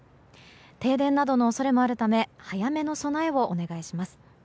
停電などの恐れもあるため早めの備えをお願いします。